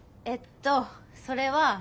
えっとそれは。